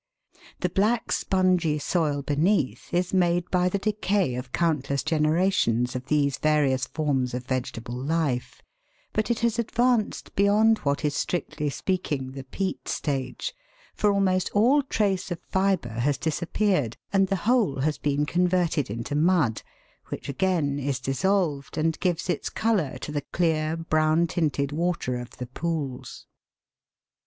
The black, spongy soil beneath is made by the decay of countless generations of these various forms of vegetable life, but it has advanced beyond what is strictly speaking the peat stage, for almost all trace of fibre has disappeared and the whole has been converted into mud, which again is dissolved and gives its colour to the clear, brown tinted water of the pools.